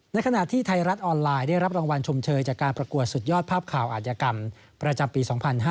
ในขณะที่ไทยรัฐออนไลน์ได้รับรางวัลชมเชยจากการประกวดสุดยอดภาพข่าวอาจยกรรมประจำปี๒๕๕๙